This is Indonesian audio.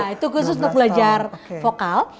itu khusus untuk belajar vokal